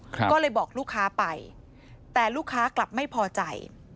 ก็เลยบอกลูกค้าไปแต่ลูกค้ากลับไม่พอใจ